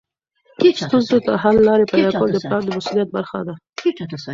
ستونزو ته حل لارې پیدا کول د پلار د مسؤلیت برخه ده.